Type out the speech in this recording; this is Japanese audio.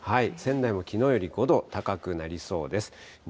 仙台もきのうより５度高くなりそうです。